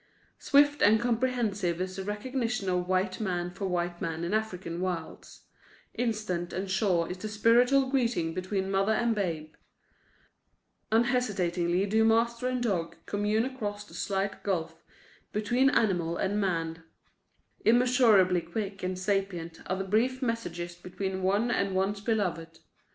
Swift and comprehensive is the recognition of white man for white man in African wilds; instant and sure is the spiritual greeting between mother and babe; unhesitatingly do master and dog commune across the slight gulf between animal and man; immeasurably quick and sapient are the brief messages between one and one's beloved.